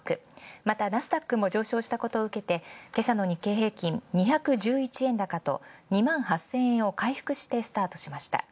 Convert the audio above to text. またナスダックも上昇したことを受けけさの日経平均、２１１円高と、２８０００円を回復してスタートしました。